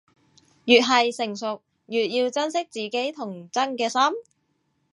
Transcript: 越係成熟，越要珍惜自己童真嘅心